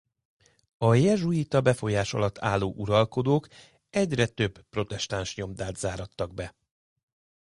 A jezsuita befolyás alatt álló uralkodók egyre több protestáns nyomdát zárattak be.